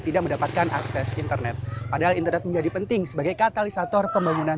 tidak mendapatkan akses internet padahal internet menjadi penting sebagai katalisator pembangunan